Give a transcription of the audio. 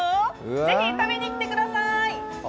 ぜひ食べにきてください。